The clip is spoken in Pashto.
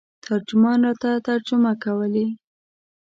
ترجمان راته ترجمه کولې.